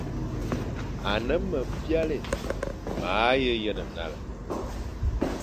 Ane me byalé, ma he yen nale,